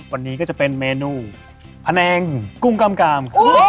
วันนี้ก็จะเป็นเมนูพะเนงกุ้งกล้ามกาม